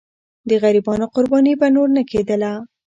د غریبانو قرباني به نور نه کېدله.